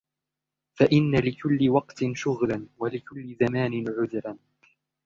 فَإِنَّ لِكُلِّ وَقْتٍ شُغْلًا وَلِكُلِّ زَمَانٍ عُذْرًا